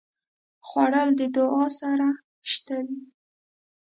خوړل د دعا سره شته وي